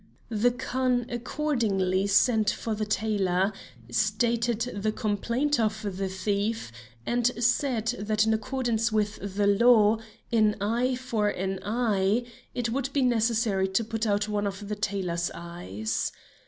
The Khan accordingly sent for the tailor, stated the complaint of the thief, and said that in accordance with the law, 'an eye for an eye,' it would be necessary to put out one of the tailor's eyes.